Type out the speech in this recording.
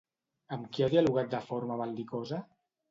Amb qui ha dialogat de forma bel·licosa?